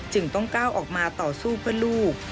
จึงต้องก้าวออกมาต่อสู้เพื่อลูก